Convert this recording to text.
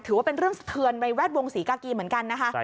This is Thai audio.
ถือว่าเป็นเรื่องสะเทือนในแวดวงศรีกากีเหมือนกันนะคะ